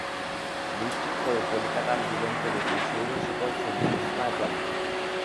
বৃষ্টির পরে কলিকাতার দিগন্তব্যাপী সৌধশিখরশ্রেণী জ্যোৎস্নায় প্লাবিত।